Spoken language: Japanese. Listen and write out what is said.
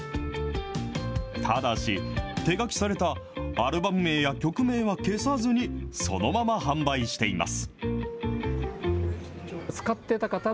ただし、手書きされたアルバム名や曲名は消さずに、そのまま販売しています。